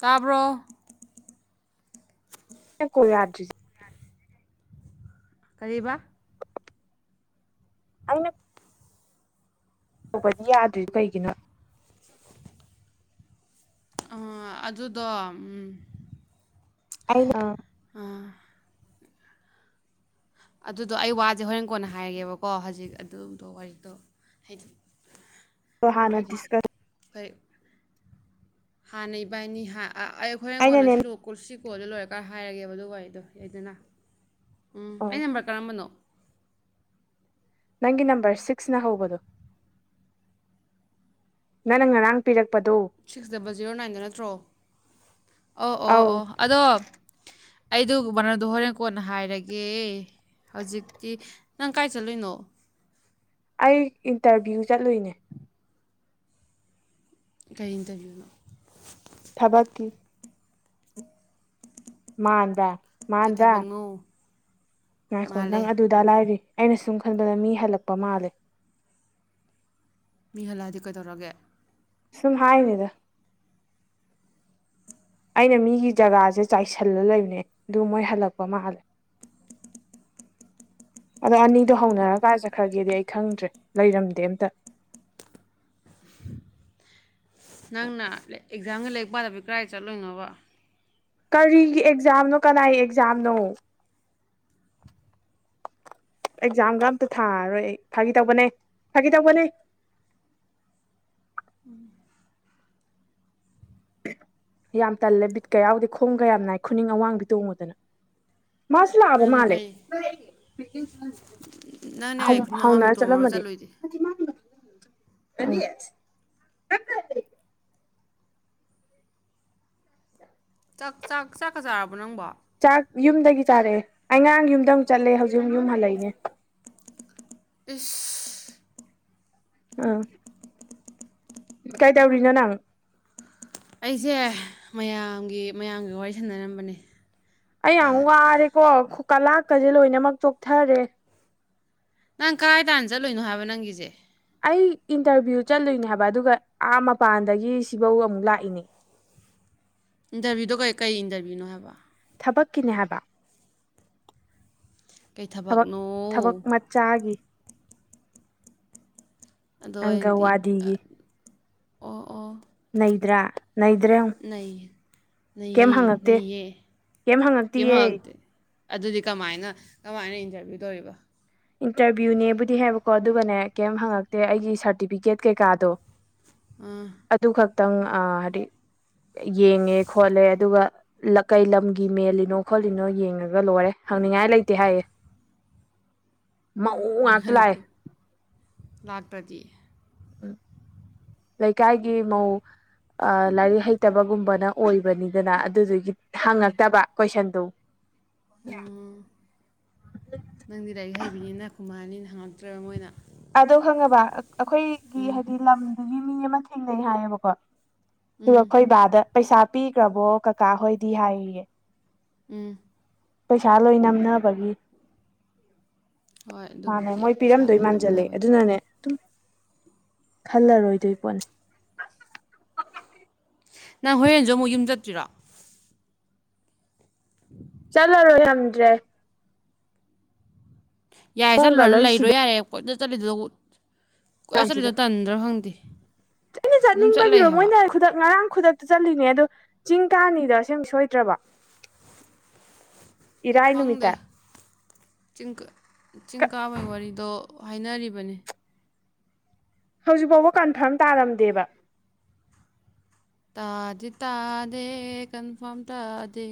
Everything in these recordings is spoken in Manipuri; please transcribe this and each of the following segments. ꯇꯥꯕ꯭ꯔꯣ ꯀꯣꯏ ꯌꯥꯗꯔ꯭ꯤ꯫ ꯀꯔꯤꯕ [unintelligible] ꯇꯧꯕꯄꯗꯤ ꯌꯥꯗ꯭ꯣꯏ ꯀꯩꯒꯤꯅꯣ ꯑꯥ ꯑꯗꯨꯗꯣ ꯑꯩꯅꯥ ꯑꯥ ꯑꯗꯨꯗꯣ ꯑꯩ ꯋꯥꯁꯦ ꯍꯣꯔꯦꯟ ꯀꯣꯟꯅ ꯍꯥꯏꯔꯒꯦꯕꯀꯣ ꯍꯧꯖꯤꯛ ꯑꯗꯨꯝꯗꯣ ꯋꯥꯔꯤ ꯇꯧ ꯍꯥꯏꯗꯤ ꯍꯥꯟꯅ ꯗꯤꯁꯀꯁ ꯍ ꯍꯥꯟꯅꯩ ꯏꯅꯤ ꯑꯩ ꯍꯣꯔꯦꯟ ꯑꯩꯅꯅꯦ ꯀꯣꯟꯅꯁꯤ ꯂꯨ ꯑꯣ ꯀꯣ ꯁꯤꯁꯤꯀꯣꯜ ꯑꯗꯨ ꯂꯣꯏꯔꯀꯥꯟ ꯍꯥꯏꯔꯒꯦꯕ ꯑꯗꯨ ꯋꯥꯗꯣ ꯑꯩꯗꯅ ꯎꯝ ꯑꯩ ꯅꯝꯕꯔ ꯀꯔꯝꯕꯅꯣ ꯅꯪꯒꯤ ꯅꯝꯕꯔ ꯁꯤꯛꯁꯅ ꯍꯧꯕꯗꯣ ꯅꯪ ꯉꯔꯥꯡ ꯄꯤꯔꯛꯄꯗꯣ ꯁꯤꯛꯁ ꯗꯕꯜ ꯖꯤꯔꯣ ꯅꯥꯏꯟꯗ ꯅꯠꯇ꯭ꯔꯣ ꯑꯣ ꯑꯣ ꯑꯧ ꯑꯣ ꯑꯗꯣ ꯑꯩꯗꯨ ꯃꯅꯣꯟꯗꯣ ꯍꯣꯔꯦꯟ ꯀꯣꯟꯅ ꯍꯥꯏꯔꯒꯦ꯫ ꯍꯧꯖꯤꯛꯇꯤ ꯅꯪ ꯀꯥꯏ ꯆꯠꯂꯨꯅꯣ ꯑꯩ ꯏꯟꯇꯔꯚꯤꯌꯨ ꯆꯠꯂꯨꯏꯅꯦ꯫ ꯀꯔꯤꯇꯕꯤꯌꯨꯅꯣ ꯊꯕꯛꯀꯤ [unintelligible] ꯃꯥꯟꯗꯔ ꯀꯩ ꯃꯥꯟꯗꯔ ꯊꯕꯛꯅꯣ ꯉꯥꯏꯈꯣ ꯃꯥꯜꯂꯦ ꯅꯪ ꯑꯗꯨꯗ ꯂꯥꯏꯔꯤ ꯑꯩꯅ ꯁꯨꯝ ꯈꯟꯕꯗ ꯃꯤ ꯍꯜꯂꯛꯄ ꯃꯥꯜꯂꯦ꯫ ꯃꯤ ꯍꯜꯂꯛꯑꯗꯤ ꯀꯩꯗꯧꯔꯒꯦ ꯁꯨꯝ ꯍꯥꯏꯅꯤꯗ ꯑꯩꯅ ꯃꯤꯒꯤ ꯖꯒꯥꯁꯦ ꯆꯥꯏꯁꯤꯜꯂ ꯂꯩꯕꯅꯦ ꯑꯗꯨ ꯃꯣꯏ ꯍꯜꯂꯛꯄ ꯃꯥꯜꯂꯦ꯫ ꯑꯗꯣ ꯑꯅꯤꯗꯣ ꯍꯧꯅꯔꯀꯥꯟ ꯆꯠꯈ꯭ꯔꯒꯦꯗꯤ ꯑꯩ ꯈꯪꯗ꯭ꯔꯦ ꯂꯩꯔꯝꯗꯦ ꯑꯝꯇ ꯅꯪꯅ ꯑꯦꯛꯖꯥꯝꯒ ꯂꯩꯔꯤꯛ ꯄꯥꯗꯕꯤ ꯀꯗꯥꯥꯏ ꯆꯠꯂꯣꯏꯅꯣꯕ ꯀꯔꯤꯒꯤ ꯑꯦꯛꯖꯥꯝꯅꯣ ꯀꯅꯥꯏ ꯑꯦꯛꯖꯥꯝꯅꯣ ꯑꯦꯛꯖꯥꯝꯒ ꯑꯝꯇ ꯊꯥꯔꯣꯏ ꯑꯩ ꯐꯥꯒꯤ ꯇꯧꯕꯅꯦ ꯐꯥꯒꯤ ꯇꯧꯕꯅꯦ꯫ ꯎꯝ ꯌꯥꯝ ꯇꯜꯂꯦ ꯕꯤꯠꯀ ꯌꯥꯎꯗꯦ ꯈꯣꯡꯒ ꯌꯥꯝ ꯅꯥꯏ ꯈꯨꯅꯤꯡ ꯑꯋꯥꯡꯕꯤ ꯇꯣꯡꯕꯁꯦ꯫ ꯃꯣꯏꯁꯨ ꯂꯛꯑꯕꯥ ꯅꯪꯅꯦ ꯃꯥꯜꯂꯦ꯫ ꯀꯩ ꯅꯪꯅꯦ ꯀꯩ ꯈꯨꯅꯤꯡ ꯑꯉꯥꯡꯕꯤ ꯍꯧꯅꯔ ꯇꯣꯡꯉꯨꯔ ꯆꯠꯂꯝꯃꯗꯤ ꯆꯠꯂꯨꯏꯗꯤ ꯀꯔꯤ ꯆꯥꯛ ꯆꯥꯛ ꯆꯥꯛꯀ ꯆꯥꯔꯕꯣ ꯅꯪꯕꯣ? ꯆꯥꯛ ꯌꯨꯝꯗꯒꯤ ꯆꯥꯔꯛꯑꯦ ꯑꯩꯉꯥꯡ ꯌꯨꯝꯗ ꯑꯃꯨꯛ ꯆꯠꯂꯦ ꯍꯧꯖꯤꯛ ꯑꯃꯨ ꯌꯨꯝ ꯍꯜꯂꯛꯏꯅꯦ ꯏꯁ ꯑꯥ ꯀꯩꯗꯧꯔꯤꯅꯣ ꯅꯪ ꯑꯩꯁꯦ ꯃꯌꯥꯝꯒꯤ ꯃꯌꯥꯝꯒꯤ ꯋꯥꯔꯤ ꯁꯥꯟꯅꯔꯝꯕꯅꯦ ꯑꯩ ꯌꯥꯝ ꯋꯥꯔꯦꯀꯣ ꯀ ꯂꯥꯛꯀꯁꯦ ꯂꯣꯏꯅꯃꯛ ꯆꯣꯛꯊꯔꯦ ꯅꯪ ꯀꯗꯥꯥꯏ ꯇꯥꯟꯅ ꯆꯠꯂꯣꯏꯅꯣ ꯍꯥꯏꯕ ꯅꯪꯒꯤꯁꯦ ꯑꯩ ꯏꯟꯇꯔꯚꯤꯌꯨ ꯆꯠꯂꯨꯏꯅꯦ ꯍꯥꯏꯕ ꯑꯗꯨꯒ ꯑꯥ ꯃꯄꯥꯟꯗꯒꯤ ꯁꯤꯐꯧ ꯑꯃꯨꯛ ꯂꯥꯛꯏꯅꯦ ꯏꯟꯇꯔꯚꯤꯌꯨꯗꯣ ꯀꯩ ꯀꯩ ꯏꯟꯇꯔꯕꯚꯤꯌꯨꯅꯣ ꯍꯥꯏꯕ ꯊꯕꯛꯀꯤꯅꯦ ꯍꯥꯏꯕ ꯀꯩ ꯊ ꯊꯕꯛꯅꯣ ꯊꯕꯛ ꯆꯥꯒꯤ ꯑꯗꯣ ꯑꯩꯅꯗꯤ ꯑꯪꯒꯋꯥꯗꯤꯒꯤ ꯑꯣ ꯑꯣ ꯅꯩꯗ꯭ꯔꯥ ꯅꯩꯗ꯭ꯔꯥꯌꯦꯡꯉꯨ ꯅꯩ ꯅꯩꯌꯦ ꯅꯩꯌꯦ ꯀꯩꯝ ꯍꯡꯉꯛ ꯑꯗꯨꯗꯤ ꯀꯃꯥꯏꯅ ꯀꯃꯥꯏꯅ ꯏꯟꯇꯔꯚꯤꯌꯨ ꯇꯧꯔꯤꯕ ꯏꯟꯇꯔꯚꯤꯌꯨꯅꯦꯕꯨꯗꯤ ꯍꯥꯏꯕꯀꯣ ꯑꯗꯨꯒꯅꯦ ꯀꯩꯝ ꯍꯪꯉꯛꯇꯦ ꯑꯩꯒꯤ ꯁꯥꯔꯇꯤꯐꯤꯀꯦꯠ ꯀꯩꯀꯥꯗꯣ ꯑꯥ ꯑꯗꯨ ꯈꯛꯇꯪ ꯑꯥ ꯍꯥꯏꯗꯤ ꯌꯦꯡꯉꯦ ꯈꯣꯠꯂꯦ ꯑꯗꯨꯒ ꯀꯩ ꯂꯝꯒꯤ ꯃꯦꯜꯂꯤꯅꯣ ꯈꯣꯠꯂꯤꯅꯣ ꯌꯦꯡꯉꯒ ꯂꯣꯏꯔꯦ ꯍꯪꯅꯤꯡꯉꯥꯏ ꯂꯩꯇꯦ ꯍꯥꯏꯌꯦ ꯃꯧ ꯎꯝ ꯉꯥꯛꯇ ꯂꯥꯛꯑꯦ ꯂꯥꯛꯇꯔꯥꯗꯤ ꯎꯝ ꯂꯩꯀꯥꯏꯒꯤ ꯃꯧ ꯂꯥꯏꯔꯤꯛ ꯍꯩꯇꯕꯒꯨꯝꯕꯅ ꯑꯣꯏꯕꯅꯤꯗꯅ ꯑꯗꯨꯗꯨꯒꯤ ꯍꯪꯉꯛꯇꯕ ꯀꯣꯏꯁꯟꯗꯨ ꯑꯣ ꯅꯪꯗꯤ ꯂꯥꯏꯔꯤꯛ ꯍꯩꯕꯤꯅꯤꯅ ꯈꯨꯃꯛꯅꯤꯅ ꯍꯪꯉꯛꯇ꯭ꯔꯕ ꯃꯣꯏꯅ ꯑꯗꯣ ꯈꯪꯉꯕ ꯑꯩꯈꯣꯏꯒꯤ ꯎꯝ ꯍꯥꯏꯗꯤ ꯂꯝꯗꯨꯒꯤ ꯃꯤ ꯑꯃ ꯊꯦꯡꯅꯩ ꯍꯥꯏꯌꯦꯕꯀꯣ ꯇꯨ ꯎꯝ ꯑꯩꯈꯣꯏ ꯕꯥꯗ ꯄꯩꯁꯥ ꯄꯤꯈ꯭ꯔꯕꯣ ꯀꯀꯥ ꯍꯣꯏꯗꯤ ꯍꯥꯏꯌꯦꯌꯦ ꯎꯝ ꯄꯩꯁꯥ ꯂꯣꯏ ꯅꯝꯅꯕꯒꯤ ꯍꯣꯏ ꯃꯥꯅꯦ ꯑꯗꯨꯕꯨꯗꯤ ꯃꯣꯏ ꯄꯩꯁꯥ ꯂꯣꯏ ꯄꯤꯔꯝꯗꯣꯏ ꯃꯥꯟꯁꯤꯜꯂꯦ ꯅꯝꯅꯕꯅꯤ ꯑꯗꯨꯅꯅꯦ ꯑꯗꯨꯝ ꯈꯜꯂꯔꯣꯏꯗꯣꯏ ꯄꯣꯠꯅꯦ ꯅꯪ ꯍꯣꯔꯦꯟꯁꯨ ꯑꯃꯨꯛ ꯌꯨꯝ ꯆꯠꯇꯣꯏꯔꯣ [inaudible] ꯆꯠꯂꯔꯣꯏ ꯌꯥꯝꯗ꯭ꯔꯦ ꯌꯥꯔꯦ ꯃꯑꯣꯡꯒ ꯆꯠꯂꯨꯔꯅ ꯂꯣꯏ ꯂꯩꯔꯣ ꯁꯤꯗ ꯌꯥꯔꯦ ꯀꯣꯏꯆꯠ ꯆꯠꯂꯤꯗꯣ ꯀꯣꯏ ꯆꯠꯂꯤꯗꯣ ꯀꯥꯟꯁꯤꯗ ꯇꯟꯗ꯭ꯔꯣ ꯈꯪꯗꯦ ꯑꯩꯅ ꯑꯗꯨꯝ ꯆꯠꯂꯩ ꯆꯠꯅꯤꯡꯕꯒꯤꯔꯣ ꯍꯥꯏꯕ ꯃꯣꯏꯅ ꯈꯨꯗꯛ ꯉꯔꯥꯡ ꯈꯨꯗꯛꯇ ꯆꯠꯂꯤꯅꯦ ꯑꯗꯣ ꯆꯤꯡ ꯇꯥꯅꯤꯗ ꯑꯁꯦꯡ ꯁꯣꯏꯗ꯭ꯔꯕꯣ [inaudible] ꯈꯪꯗꯦ ꯆꯤꯡ ꯀꯥ ꯆꯤꯡ ꯀꯕꯩ ꯕꯋꯥꯔꯤꯗꯣ ꯍꯥꯏꯅꯔꯤꯕꯅꯤ ꯍꯧꯖꯤꯛ ꯐꯥꯎꯕ ꯀꯟꯐꯥꯔꯝ ꯇꯥꯔꯝꯗꯦꯕ ꯇꯥꯗꯤ ꯇꯥꯗꯦ ꯀꯟꯐꯥꯔꯝ ꯇꯥꯗꯦ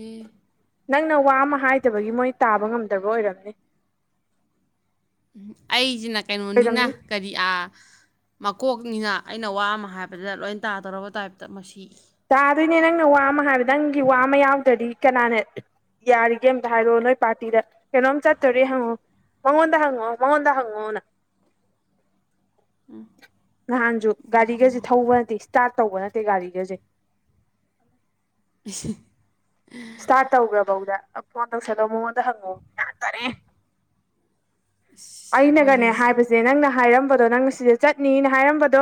ꯅꯪꯅ ꯋꯥ ꯑꯃ ꯍꯥꯏꯗꯕꯒꯤ ꯃꯣꯏ ꯇꯥꯕ ꯉꯝꯗꯕ ꯑꯣꯏꯔꯝꯅꯤ ꯑꯩꯁꯤꯅ ꯀꯩꯅꯣꯅꯤꯅ ꯑꯣꯏꯔꯝꯅꯤ ꯀꯔꯤ ꯑꯥ ꯃꯀꯣꯛꯅꯤꯅ ꯑꯩꯅ ꯋꯥ ꯑꯃ ꯍꯥꯏꯕꯗ ꯂꯣꯏꯅ ꯇꯥꯗꯧꯔꯕ ꯇꯥꯏꯞꯇ ꯃꯁꯤ ꯇꯥꯗꯣꯏꯅꯦ ꯅꯪꯅ ꯋꯥ ꯑꯃ ꯍꯥꯏꯕꯗ ꯅꯪꯒꯤ ꯋꯥ ꯑꯃ ꯌꯥꯎꯗ꯭ꯔꯗꯤ ꯀꯅꯥꯅ ꯌꯥꯔꯤꯒꯦ ꯑꯝꯇ ꯍꯥꯏꯔꯣꯑꯣ ꯅꯣꯏ ꯄꯥꯔꯇꯤꯗ ꯀꯩꯅꯣꯝ ꯆꯠꯇꯣꯔꯦ ꯍꯪꯉꯣ ꯃꯉꯣꯟꯗ ꯍꯪꯉꯣ ꯃꯉꯣꯟꯗ ꯍꯪꯉꯣꯅ ꯎꯝ ꯅꯍꯥꯟꯁꯨ ꯒꯥꯔꯤꯒꯁꯦ ꯊꯧꯕ ꯅꯠꯇꯦ ꯏꯁꯇꯥꯔꯠ ꯇꯧꯕ ꯅꯠꯇꯦ ꯒꯥꯔꯤꯒꯁꯦ [inaudible] ꯏꯁꯇꯥꯔꯠ ꯇꯧꯈ꯭ꯔꯕꯧꯗ ꯐꯣꯟ ꯇꯧꯁꯟꯂꯣ ꯃꯉꯣꯟꯗ ꯍꯪꯑꯣ ꯌꯥ ꯇꯔꯦ ꯑꯩꯅꯒꯅꯦ ꯋꯥꯔꯤꯁꯦ ꯍꯥꯏꯕꯁꯦ ꯅꯪꯅ ꯍꯥꯏꯔꯝꯕꯗꯣ ꯅꯪ ꯁꯤꯗ ꯆꯠꯅꯤꯅ ꯍꯥꯏꯔꯝꯕꯗꯣ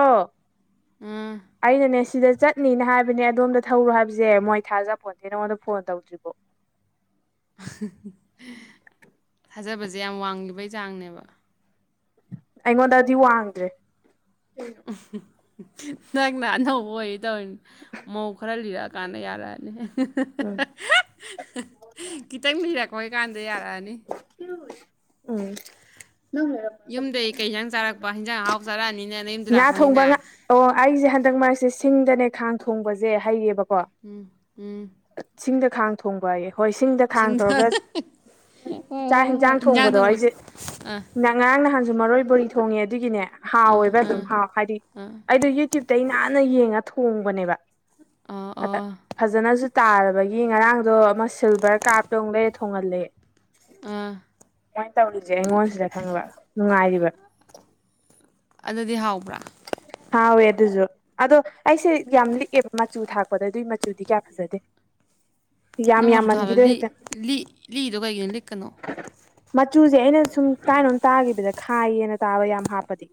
ꯎꯝ ꯑꯩꯅꯅꯦ ꯁꯤꯗ ꯆꯠꯅꯤꯅ ꯍꯥꯏꯕꯅꯦ ꯑꯗꯣꯝꯗ ꯊꯧꯔꯣ ꯍꯥꯏꯕꯁꯦ ꯃꯣꯏ ꯊꯥꯖꯄꯣꯟꯗꯦ ꯅꯉꯣꯟꯗ ꯐꯣꯟ ꯇꯧꯗ꯭ꯔꯤꯕꯣ ꯊꯥꯖꯕꯁꯦ ꯌꯥꯝ ꯋꯥꯡꯂꯤꯕꯩ ꯆꯥꯡꯅꯦꯕ ꯑꯩꯉꯣꯟꯗꯗꯤ ꯋꯥꯡꯗ꯭ꯔꯦ ꯅꯪꯅ ꯑꯅꯧꯕ ꯑꯣꯏ ꯇꯧꯔꯤꯅꯤ ꯃꯧ ꯈꯔ ꯂꯤꯔꯛꯑ ꯀꯥꯟꯅ ꯌꯥꯔꯛꯑꯅꯤ ꯈꯤꯇꯪ ꯂꯤꯔꯛꯄꯩ ꯀꯥꯟꯗ ꯌꯥꯔꯛꯑꯅꯤ [unintelligible] ꯌꯨꯝꯗꯒꯤ ꯀꯩꯖꯥꯡ ꯆꯥꯔꯛꯄ ꯍꯤꯟꯖꯥꯡ ꯍꯥꯎ ꯆꯥꯔꯛꯑꯅꯤꯅ ꯅꯌꯨꯝꯗ ꯉꯥ ꯊꯣꯡꯕ ꯂꯥꯛꯄꯅꯤꯅ ꯉꯥ ꯑꯣ ꯑꯩꯁꯦ ꯍꯟꯗꯛ ꯃꯔꯛꯁꯦ ꯁꯤꯡꯗꯅꯦ ꯈꯥꯡ ꯊꯣꯡꯕꯁꯦ ꯍꯩꯌꯦꯕꯀꯣ ꯎꯝ ꯎꯝ ꯆꯤꯡꯗ ꯈꯥꯡ ꯊꯣꯡꯕ ꯍꯥꯏꯌꯦ ꯍꯣꯏ ꯁꯤꯡꯗ ꯈꯥꯡ ꯇꯧꯔꯒ ꯍꯣꯏ ꯆꯥꯛ ꯍꯣꯏ ꯍꯣꯏ ꯌꯦꯟꯁꯥꯡ ꯏꯟꯖꯥꯡ ꯊꯣꯡꯕꯗꯣ ꯊꯣꯡꯕ ꯑꯩꯁꯦ ꯑꯥ ꯉꯔꯥꯡ ꯅꯍꯥꯟꯁꯨ ꯃꯔꯣꯏ ꯕꯣꯔꯤ ꯊꯣꯡꯉꯦ ꯑꯗꯨꯒꯤꯅꯦ ꯑꯥ ꯍꯥꯎꯋꯦꯕ ꯑꯗꯨꯝ ꯑꯥ ꯍꯥꯎ ꯍꯥꯏꯗꯤ ꯑꯥ ꯑꯩꯗꯤ ꯌꯨꯇ꯭ꯌꯨꯕꯇ ꯅꯥꯟꯅ ꯌꯦꯡꯉ ꯊꯣꯡꯕꯅꯦꯕ ꯑꯣ ꯑꯣ ꯐꯖꯅꯁꯨ ꯇꯥꯔꯕꯒꯤ ꯉꯔꯥꯡꯗꯣ ꯑꯃ ꯁꯤꯜꯚꯔ ꯀꯥꯔꯞꯇꯧ ꯂꯩ ꯊꯣꯡꯍꯜꯂꯦ ꯑꯥ ꯀꯨꯃꯥꯏꯅ ꯇꯧꯔꯤꯁꯦ ꯑꯩꯉꯣꯟꯁꯤꯗ ꯈꯪꯕ ꯅꯨꯡꯉꯥꯏꯔꯤꯕ ꯑꯗꯨꯗꯤ ꯍꯥꯎꯕ꯭ꯔꯥ ꯍꯥꯎꯦ ꯑꯗꯨꯁꯨ ꯑꯗꯣ ꯑꯩꯁꯦ ꯌꯥꯝ ꯂꯤꯛꯑꯦꯕ ꯃꯆꯨ ꯊꯥꯛꯄꯗ ꯑꯗꯨꯏ ꯃꯆꯨꯗꯤ ꯀꯌꯥ ꯐꯖꯗꯦ ꯌꯥꯝ ꯅꯪꯃꯆꯁꯨ ꯊꯥꯕ ꯌꯥꯝꯃꯟꯈꯤꯗꯣ ꯂꯤ ꯍꯦꯛꯇ ꯂꯤ ꯂꯤꯗꯣ ꯀꯩꯒꯤꯅꯣ ꯂꯤꯛꯀꯅꯣ ꯃꯆꯨꯁꯦ ꯑꯩꯅ ꯁꯨꯝ ꯀꯥꯏꯅꯣꯝ ꯇꯥꯈꯤꯕꯗ ꯈꯥꯏꯌꯦꯅ ꯇꯥꯕ ꯌꯥꯝ ꯍꯥꯞꯄꯗꯤ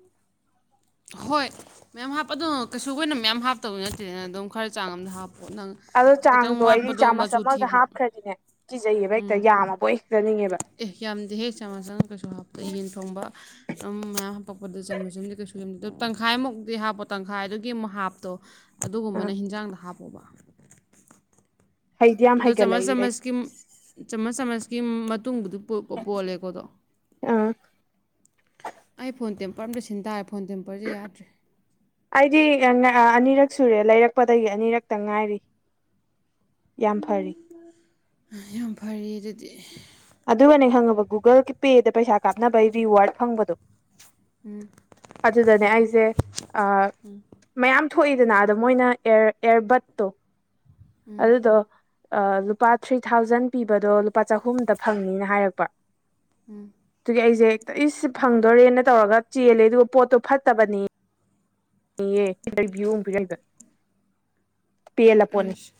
ꯍꯣꯏ ꯃꯌꯥꯝ ꯍꯥꯞꯄ ꯑꯗꯨ ꯀꯩꯁꯨ ꯀ ꯑꯣꯏꯅ ꯃꯌꯥꯝ ꯍꯥꯞꯇꯕ ꯅꯠꯇꯦꯗꯅ ꯑꯗꯨꯝ ꯈꯔ ꯆꯥꯡ ꯑꯝꯗ ꯍꯥꯞꯄꯣ ꯅꯪ ꯑꯗꯣ ꯈꯤꯇꯪ ꯆꯥꯡꯗꯣ ꯑꯩꯗꯤ ꯋꯥꯠꯄꯗꯣ ꯆꯥꯃꯁ ꯃꯆꯨ ꯑꯃꯒ ꯊꯤꯕ ꯍꯥꯞꯈ꯭ꯔꯗꯤꯅꯦ ꯀꯤꯖꯩꯌꯦꯕ ꯍꯦꯛꯇ ꯎꯝ ꯌꯥꯝꯃꯕ ꯑꯣꯏ ꯍꯦꯛꯖꯅꯤꯡꯉꯦꯕ ꯑꯦ ꯌꯥꯝꯗꯦ ꯍꯦ ꯆꯥꯝꯃꯁꯟ ꯀꯩꯁꯨ ꯍꯥꯞꯄ ꯌꯦꯟ ꯊꯣꯡꯕ ꯑꯗꯨꯝ ꯃꯌꯥꯝ ꯍꯥꯞꯄꯛꯄꯗ ꯆꯃꯁꯟꯗꯤ ꯀꯩꯁꯨ ꯇꯪꯈꯥꯏꯃꯨꯛꯇꯤ ꯍꯥꯞꯄꯣ ꯇꯪꯈꯥꯏꯗꯨꯒꯤ ꯑꯃꯨꯛ ꯍꯥꯞꯇꯣ ꯑ ꯑꯗꯨꯒꯨꯝꯕꯅ ꯍꯤꯟꯖꯥꯡꯗ ꯍꯥꯞꯄꯣꯕ ꯍꯩꯗꯤ ꯌꯥꯝ ꯗꯣ ꯆꯃꯆ ꯍꯩꯒꯠꯂꯛꯏ ꯑꯩ ꯆꯃꯖꯀꯤ ꯆꯥꯃꯁ ꯆꯥꯃꯁꯀꯤ ꯃꯇꯨꯡꯕꯨꯗꯤ ꯄꯣꯜꯂꯦꯀꯣꯗꯣ ꯑꯥ ꯑꯩ ꯐꯣꯟ ꯇꯦꯝꯄꯔ ꯑꯝꯇ ꯁꯤꯟ ꯇꯥꯔꯦ ꯐꯣꯟ ꯇꯦꯝꯄꯔꯁꯦ ꯌꯥꯗ꯭ꯔꯦ ꯑꯩꯗꯤ ꯑꯅꯤꯔꯛ ꯁꯨꯔꯦ ꯂꯩꯔꯛꯄꯗꯒꯤ ꯑꯅꯤꯔꯛꯇ ꯉꯥꯏꯔꯤ ꯌꯥꯝ ꯐꯔꯤ ꯌꯥꯝ ꯐꯔ ꯑꯗꯨꯗꯤ ꯑꯗꯨꯒꯅꯦ ꯈꯪꯉꯕ ꯒꯨꯒꯜ ꯄꯦꯗ ꯄꯩꯁꯥ ꯀꯥꯞꯅꯕꯒꯤ ꯔꯤꯋꯥꯔꯗ ꯐꯪꯕꯗꯣ ꯑꯗꯨꯗꯅꯦ ꯑꯩꯁꯦ ꯃꯌꯥꯝ ꯊꯣꯛꯏꯗꯅ ꯑꯗꯣ ꯃꯣꯏꯅꯔ ꯑꯦꯌꯥꯔꯕꯠꯇꯣ ꯑꯗꯨꯗꯣ ꯂꯨꯄꯥ ꯊ꯭ꯔꯤ ꯊꯥꯎꯖꯟ ꯄꯤꯕꯗꯣ ꯂꯨꯄꯥ ꯆꯍꯨꯝꯗ ꯐꯪꯅꯤꯅ ꯍꯥꯏꯔꯛꯄ ꯎꯝ ꯑꯗꯨꯒꯤ ꯑꯩꯁꯦ ꯏꯁ ꯐꯪꯗꯣꯔꯦꯅ ꯇꯧꯔꯒ ꯆꯦꯜꯂꯦ ꯑꯗꯨꯒ ꯄꯣꯠꯇꯣ ꯐꯠꯇꯕꯅꯤ ꯏꯑꯚꯌꯨꯡꯕꯤꯔꯕ ꯄꯦꯜꯂ ꯄꯣꯠꯅꯤ ꯑꯩꯁ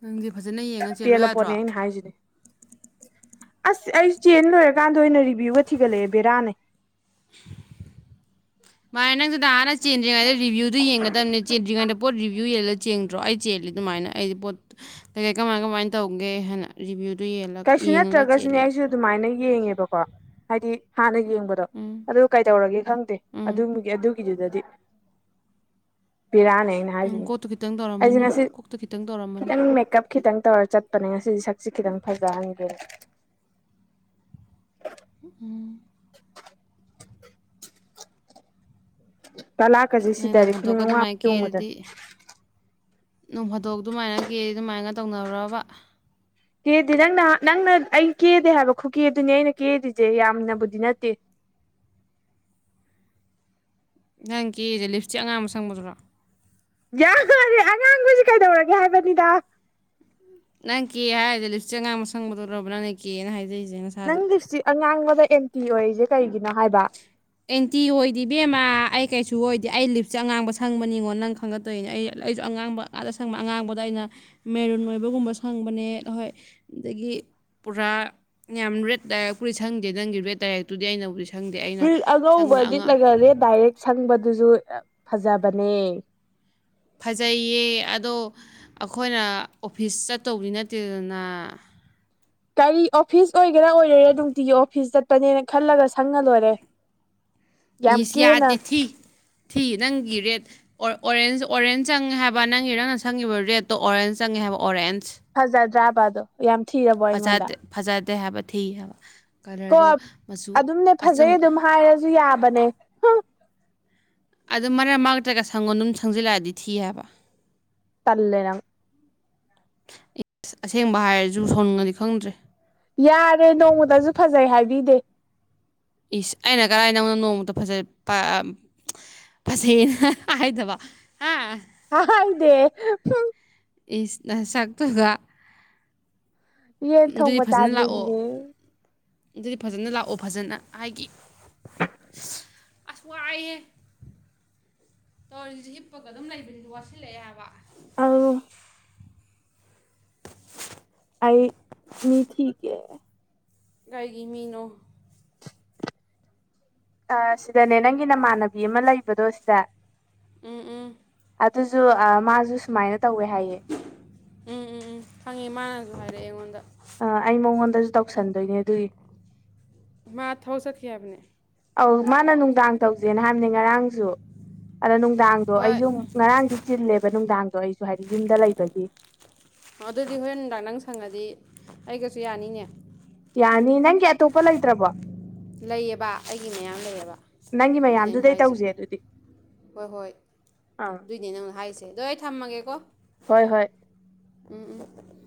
ꯅꯪꯁꯦ ꯐꯖꯅꯌꯦ ꯄꯦꯜꯂꯄꯣꯠꯅꯦ ꯑꯩꯅ ꯍꯥꯏꯁꯤꯅꯦ ꯑꯁ ꯑꯩꯁꯨ ꯆꯦꯟ ꯂꯣꯏꯔꯀꯥꯟꯗ ꯑꯣꯏꯅ ꯔꯤꯕꯚꯤꯌꯨꯒ ꯊꯤꯒꯠꯂꯛꯑꯦ ꯕꯦꯔꯥꯅꯦ ꯃꯥꯅꯦ ꯅꯪꯁꯨ ꯅꯥꯍꯟꯋ ꯆꯦꯟꯗꯉ ꯔꯤꯕ꯭ꯨꯗꯨ ꯌꯦꯡꯉꯗ ꯆꯦꯟꯗꯉ ꯄꯣꯠ ꯔꯤꯕ꯭ꯌꯨ ꯌꯦꯜꯂꯒ ꯆꯦꯡꯗ꯭ꯔꯣ ꯑꯩ ꯆꯦꯜꯂꯤ ꯑꯗꯨꯃꯥꯏꯅ ꯑꯩꯗꯤ ꯄꯣꯠ ꯀꯩ ꯀꯩ ꯀꯃꯥꯏ ꯀꯃꯥꯏꯅ ꯇꯧꯒꯦ ꯍꯥꯏꯅ ꯔꯤꯕ꯭ꯌꯨꯗꯣ ꯌꯦꯂ ꯀꯩꯁꯨ ꯌꯦꯡꯉꯒ ꯅꯠꯇ꯭ꯔꯒꯁꯨꯅꯦ ꯆꯦꯜꯂꯦꯕ ꯑꯩꯁꯨ ꯑꯗꯨꯃꯥꯏꯅ ꯌꯦꯡꯉꯦꯕꯀꯣ ꯍꯥꯏꯗꯤ ꯍꯅ ꯌꯦꯡꯕꯗꯣ ꯎꯝ ꯑ ꯀꯩ ꯇꯧꯔꯒꯦ ꯈꯪꯗꯦ ꯎꯝ ꯑꯗꯨꯒꯤꯗꯨꯗꯗꯤ ꯕꯤꯔꯅꯦ ꯅ ꯍꯥꯏ ꯅꯪ ꯍꯥꯏꯖꯤ ꯀꯣꯛꯇꯣ ꯈꯤꯇꯪ ꯑꯩꯁꯦ ꯇꯧꯔꯝꯃꯅꯤ ꯉꯁꯤ ꯀꯣꯛꯇꯣꯈꯤꯇꯪ ꯇꯧꯔꯝꯃꯅꯤ ꯈꯤꯇꯪ ꯃꯦꯀꯞ ꯈꯤꯇꯪ ꯇꯧꯔ ꯆꯠꯄꯅꯦ ꯉꯁꯤ ꯁꯛꯁꯦ ꯈꯤꯇꯪ ꯐꯖꯍꯟꯒꯦ ꯎꯝ ꯂꯥꯛꯀꯁꯦ ꯅꯪ ꯅꯣꯡ ꯁꯤꯗꯔꯗꯤ ꯈꯨ ꯐꯥꯗꯣꯛꯀ ꯉ ꯑꯗꯨꯃꯥꯏꯅ ꯆꯣꯡꯕꯗ ꯀꯦꯔꯗꯤ ꯅꯣꯡ ꯐꯥꯗꯣꯛ ꯑꯗꯨꯃꯥꯏꯅ ꯀꯦ ꯑꯗꯨꯃꯥꯏꯅ ꯇꯧꯅꯔꯨꯔꯕ ꯀꯦꯗꯦ ꯅꯪꯅ ꯅꯪꯅ ꯑꯩ ꯀꯦꯗꯦ ꯍꯥꯏꯕ ꯈꯨꯀꯤꯦ ꯑꯗꯨꯅꯦ ꯑꯩꯅ ꯀꯦꯗ꯭ꯔꯤꯁꯦ ꯌꯥꯝꯅꯕꯨꯗꯤ ꯅꯠꯇꯦ ꯅꯪꯒꯤꯦ ꯂꯤꯞꯁꯇꯤꯛ ꯑꯉꯥꯡ ꯑꯃ ꯁꯪꯕꯗꯨꯔꯣ ꯌꯥꯔꯦ ꯑꯉꯥꯡꯕꯁꯤ ꯀꯩꯗꯧꯔꯒꯦ ꯍꯥꯏꯕꯅꯤꯗ ꯅꯪ ꯀꯦ ꯍꯥꯏꯔꯗꯤ ꯂꯤꯞꯆꯦ ꯑꯉꯥꯡ ꯑꯃ ꯁꯪꯕꯗꯣꯔꯕ꯭ꯔ ꯅꯪ ꯀꯦꯅ ꯍꯥꯏꯖꯔꯤꯁꯦ ꯉ ꯅꯪ ꯍꯧꯛꯁꯤ ꯑꯉꯥꯡꯕꯗ ꯑꯦꯟꯇꯤ ꯑꯣꯏꯔꯤꯁꯦ ꯀꯩꯒꯤꯅꯣ ꯍꯥꯏꯕ ꯑꯦꯟꯇꯤ ꯑꯣꯏꯗꯤꯦ ꯕꯦꯝꯃ ꯑꯩ ꯀꯩꯁꯨ ꯑꯣꯏꯗꯦ ꯑꯩ ꯂꯤꯞꯁꯦ ꯑꯉꯥꯡꯕ ꯁꯪꯕꯅꯤꯉꯣ ꯅꯪ ꯈꯪꯒꯠꯇꯣꯏꯅꯦ ꯑꯩ ꯑꯩꯁꯨ ꯑꯉꯥꯡꯕ ꯑꯥꯗ ꯁꯪꯕ ꯑꯉꯥꯡꯕꯗ ꯑꯩꯅ ꯃꯦꯔꯨꯟ ꯑꯣꯏꯕꯒꯨꯝꯕ ꯁꯪꯕꯅꯦꯣꯏ ꯑꯗꯒꯤ ꯄꯨꯔꯥ ꯌꯥꯝ ꯔꯦꯠ ꯗꯥꯏꯔꯛꯄꯨꯔꯤ ꯁꯪꯗꯦ ꯅꯪꯒꯤ ꯔꯦꯠ ꯗꯥꯏꯔꯛꯇꯨꯗꯤ ꯑꯩꯅꯕꯨ ꯈꯪꯗꯦ ꯑꯩꯅ ꯐꯨꯔꯤꯠ ꯑꯉꯧꯕ ꯁꯪꯒꯅ ꯑꯉꯥꯡ ꯂꯤꯠꯂꯒ ꯔꯦꯠ ꯗꯥꯏꯔꯦꯛ ꯁꯪꯕꯗꯨꯁꯨ ꯐꯖꯕꯅꯦ ꯐꯖꯩꯌꯦ ꯑꯗꯣ ꯑꯩꯈꯣꯏꯅ ꯑꯣꯐꯤꯁ ꯆꯠꯇꯧꯕꯗꯤ ꯅꯠꯇꯦꯗꯅ ꯀꯔꯤ ꯑꯣꯐꯤꯁ ꯑꯣꯏꯒꯦꯔꯥ ꯑꯣꯏꯔꯣꯏꯔꯥ ꯅꯨꯡꯇꯤꯒꯤ ꯑꯣꯐꯤꯁ ꯆꯠꯄꯅꯦꯅ ꯈꯜꯂꯒ ꯁꯪꯉ ꯂꯣꯏꯔꯦ ꯌꯥꯝ ꯃꯤꯁ ꯀꯦꯅ ꯌꯥꯗꯦ ꯊꯤ ꯊꯤ ꯅꯪꯒꯤ ꯔꯦꯠ ꯑꯣꯔꯦꯟꯖ ꯑꯣꯔꯦꯟꯖ ꯆꯪꯉꯦ ꯍꯥꯏꯕ ꯅꯪꯒꯤ ꯅꯪꯅ ꯁꯪꯉꯤꯕ ꯔꯦꯗꯠꯇꯣ ꯑꯣꯔꯦꯟꯖ ꯆꯪꯉꯦ ꯍꯥꯏꯕ ꯑꯣꯔꯦꯟꯖ ꯐꯖꯗ꯭ꯔꯥꯕꯗꯣ ꯌꯥꯝ ꯊꯤꯔꯕꯣ ꯑꯩꯉꯣꯟꯗ ꯐꯖꯗꯦ ꯐꯖꯗꯦ ꯍꯥꯏꯕ ꯊꯤ ꯍꯥꯏꯕ ꯀꯣ ꯀꯂꯔꯗꯣ ꯃꯆꯨ ꯑꯗꯨꯝꯅꯦ ꯑꯆꯝ ꯐꯖꯩ ꯑꯗꯨꯝ ꯍꯥꯏꯔꯁꯨ ꯌꯥꯕꯅꯦ ꯑꯗꯨ ꯃꯔꯛ ꯃꯔꯛꯇꯒ ꯁꯪꯒꯣꯜ ꯝ ꯁꯪꯖꯤꯜꯂꯛꯑꯗꯤ ꯊꯤ ꯍꯥꯏꯕ ꯇꯂꯅꯪ ꯑꯦꯁ ꯑꯁꯦꯡꯕ ꯍꯥꯏꯔꯁꯨ ꯁꯥꯎꯅꯤꯡꯉꯗꯤ ꯈꯪꯗ꯭ꯔꯦ ꯌꯥꯔꯦ ꯅꯣꯡꯃꯗꯁꯨ ꯐꯖꯩ ꯍꯥꯏꯕꯤꯗꯦ ꯏꯁ ꯑꯩꯅ ꯀꯔꯥꯏꯗꯧꯅ ꯅꯣꯡꯃꯛꯇ ꯐꯖ ꯐꯖꯩꯅ ꯍꯥꯏꯗꯕ ꯍꯥ ꯑ ꯏꯗꯦ ꯏꯁ ꯅꯁꯥꯛꯇꯨꯒ ꯌꯦꯟ ꯊꯣꯡꯕ ꯐꯖꯅ ꯂꯥꯛꯑꯣ ꯆꯥꯅꯤꯡꯉ ꯑꯗꯨꯗꯤ ꯐꯖꯅ ꯂꯥꯛꯑꯣ ꯐꯖꯅ ꯍꯥꯏꯒꯤ ꯑꯁ ꯋꯥꯑꯥꯏ ꯍꯦ ꯇꯧꯔꯤꯁꯤ ꯍꯤꯞꯄꯒ ꯑꯗꯨꯝ ꯂꯩꯕꯅꯤꯅ ꯋꯥꯠꯁꯤꯜꯂꯛꯑꯦꯕ ꯑꯥꯎ ꯑꯩ ꯃꯤ ꯊꯤꯀꯦ ꯀꯒꯤ ꯃꯤꯅꯣ ꯑ ꯁꯤꯗꯅꯦ ꯅꯪꯒꯤ ꯅꯃꯥꯟꯅꯕꯤ ꯑꯃ ꯂꯩꯕꯗꯣ ꯁꯤꯗ ꯎꯝ ꯎꯝ ꯑꯗꯨꯁꯨ ꯃꯥꯁꯨ ꯁꯨꯃꯥꯏꯅ ꯇꯧꯋꯦ ꯍꯥꯏꯌꯦ ꯎꯝ ꯎꯝ ꯎꯝ ꯐꯪꯉꯦ ꯃꯥꯅꯁꯨ ꯍꯥꯏꯔꯛꯑꯦ ꯑꯩꯉꯣꯟꯗ ꯑ ꯑꯩ ꯃꯉꯣꯟꯗꯁꯨ ꯇꯧꯁꯟꯗꯣꯏꯅꯦ ꯑꯗꯨꯒꯤ ꯃꯥ ꯊꯕꯛ ꯆꯠꯀꯦ ꯍꯥꯏꯕꯅꯦ ꯑꯧ ꯃꯥꯅ ꯅꯨꯡꯗꯥꯡ ꯇꯧꯁꯦꯅ ꯍꯥꯏꯕꯅꯦ ꯉꯔꯥꯡꯁꯨ ꯑꯗꯣ ꯅꯨꯡꯗꯥꯡꯗꯣ ꯍꯣꯏ ꯑꯩꯁꯨ ꯉꯔꯥꯡꯗꯤ ꯆꯤꯜꯂꯦꯕ ꯅꯨꯡꯗꯥꯡꯗꯣ ꯑꯩꯁꯨ ꯍꯥꯏꯗꯤ ꯌꯨꯝꯗ ꯂꯩꯕꯒꯤ ꯑꯗꯨꯗꯤ ꯍꯣꯔꯦꯟ ꯍꯟꯗꯥꯛ ꯅꯪ ꯁꯪꯉꯗꯤ ꯑꯩꯒꯁꯨ ꯌꯥꯅꯤꯅꯦ ꯌꯥꯅꯤ ꯅꯪꯒꯤ ꯑꯇꯣꯞꯄ ꯂꯩꯇ꯭ꯔꯕꯣ ꯂꯩꯌꯦꯕ ꯑꯩꯒꯤ ꯃꯌꯥꯝ ꯂꯩꯌꯦꯕ ꯅꯪꯒꯤ ꯑꯗꯨꯅꯦ ꯑꯩꯅ ꯃꯌꯥꯝꯗꯨꯗꯩ ꯍꯥꯏꯁꯦ ꯇꯧꯁꯦ ꯑꯗꯨꯗꯤ ꯍꯣꯏ ꯍꯣꯏ ꯑꯥ ꯑꯗꯨꯏꯅꯦ ꯅꯪ ꯍꯥꯏꯔꯤꯁꯦ ꯑꯗꯣ ꯑꯩ ꯊꯝꯃꯒꯦꯀꯣ ꯍꯣꯏ ꯍꯣꯏ ꯎꯝ ꯎꯝ